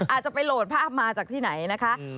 อาจจะไปโหลดภาพมาจากที่ไหนนะคะ